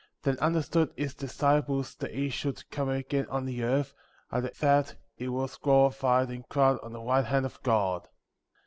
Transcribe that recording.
Then understood his disciples that he should come again on the earth, after that he was glorified and crowned on the right hand of God.